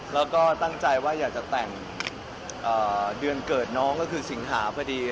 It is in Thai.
แล้วก็ตั้งใจว่าอยากจะแต่งเดือนเกิดน้องก็คือสิงหาพอดี